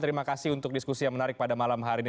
terima kasih untuk diskusi yang menarik pada malam hari ini